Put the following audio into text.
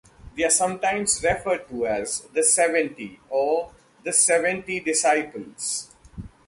They are sometimes referred to as the "Seventy" or the "Seventy Disciples".